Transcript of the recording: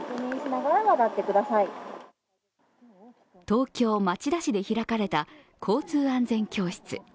東京・町田市で開かれた交通安全教室。